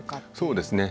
そうですね